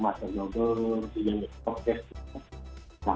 kalau yang korea dengan posisi kita ini itu benar benar